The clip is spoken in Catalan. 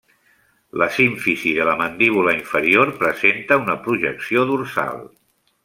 La símfisi de la mandíbula inferior presenta una projecció dorsal.